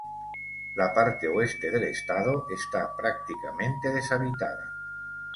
La parte oeste del estado está prácticamente deshabitada.